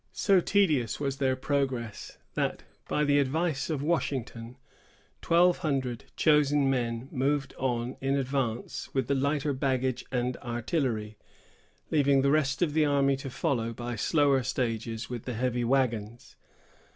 So tedious was their progress, that, by the advice of Washington, twelve hundred chosen men moved on in advance with the lighter baggage and artillery, leaving the rest of the army to follow, by slower stages, with the heavy wagons.